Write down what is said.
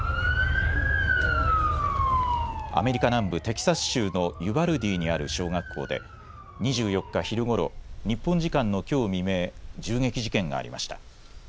アメリカ南部テキサス州のユバルディにある小学校で２４日昼ごろ日本時間のきょう未明銃撃事件がありました。